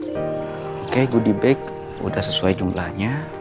oke gue dibek udah sesuai jumlahnya